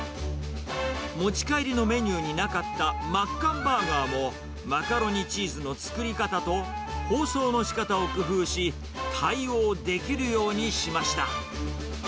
持ち帰りのメニューになかったマッカンバーガーも、マカロニチーズの作り方と、包装のしかたを工夫し、対応できるようにしました。